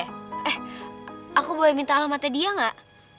eh aku boleh minta alamatnya dia gak